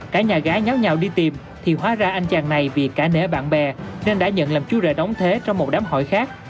cả nhà gái nhóc nhau đi tìm thì hóa ra anh chàng này vì cả nể bạn bè nên đã nhận làm chú rể đóng thế trong một đám hỏi khác